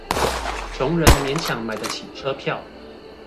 窮人勉強買得起車票